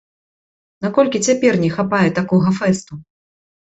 Наколькі цяпер не хапае такога фэсту?